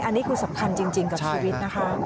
อันนี้คือสำคัญจริงกับชีวิตนะคะ